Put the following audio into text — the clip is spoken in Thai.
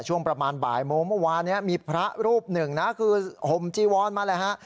ช่วงประมาณบ่ายโมงเมื่อวานนี้มีพระรูปหนึ่งนะคือห่มจีวอนมาเลยฮะ